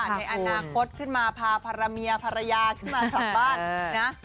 ในอนาคตขึ้นมาพาพาระเมียพรรยาขึ้นมาข้ามบ้าน